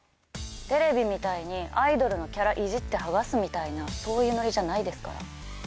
テレビみたいにアイドルのキャラいじって剥がすみたいなそういうノリじゃないですから。